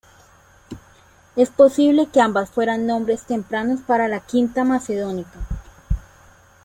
Es posible que ambas fueran nombres tempranos para la V "Macedonica".